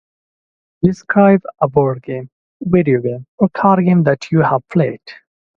Describe a board game video game recording that you have played